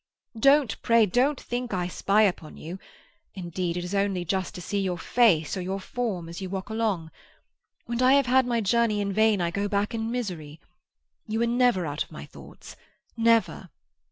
Don't, pray don't think I spy upon you. Indeed, it is only just to see your face or your form as you walk along. When I have had my journey in vain I go back in misery. You are never out of my thoughts—never."